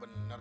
iya kan rok